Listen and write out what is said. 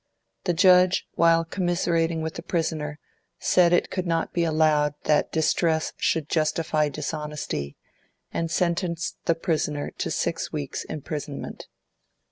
The Judge, while commiserating with the prisoner, said it could not be allowed that distress should justify dishonesty, and sentenced the prisoner to six weeks' imprisonment.